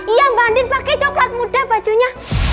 iya mbak andir pakai coklat muda bajunya